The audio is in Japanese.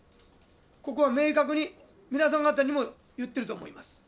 ここは明確に皆さん方にも言っていると思います。